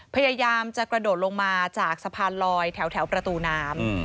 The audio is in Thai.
พยายามจะกระโดดลงมาจากสะพานลอยแถวประตูน้ำ